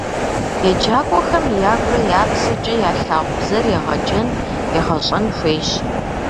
Еджакӏуэхэм ягурэ я псэкӏэ ялъагъу бзэр егъэджын, егъэщӏэн хуейщ.